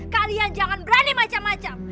kalian jangan berani macam macam